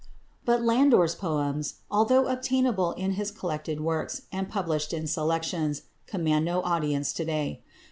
But Landor's poems, although obtainable in his collected works, and published in selections, command no audience to day.